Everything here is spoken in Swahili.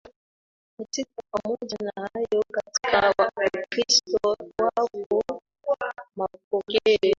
katika Pamoja na hayo katika Ukristo yapo mapokeo